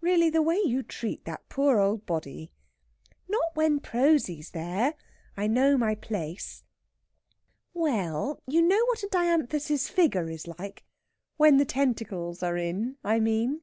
Really, the way you treat that poor old body!..." "Not when Prosy's there. I know my place.... We ell, you know what a dianthus's figure is like? When the tentacles are in, I mean."